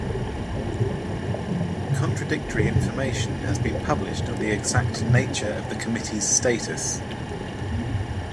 Contradictory information has been published on the exact nature of the committee's status.